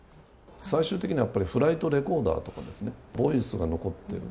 最終的にはフライトレコーダーボイスが残っている。